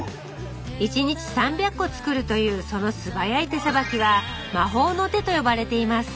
１日３００個作るというその素早い手さばきは魔法の手と呼ばれています